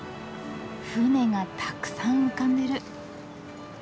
船がたくさん浮かんでる。